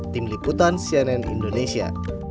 tim liputan cnn indonesia